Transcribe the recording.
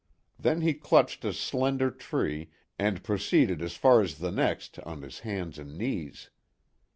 Then he clutched a slender tree, and proceeded as far as the next on his hands and knees.